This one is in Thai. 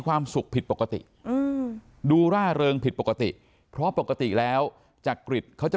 ความสุขผิดปกติดูร่าเริงผิดปกติเพราะปกติแล้วจักริตเขาจะ